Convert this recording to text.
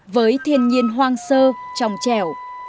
với thiên nhiên hoang sơ trong chẻo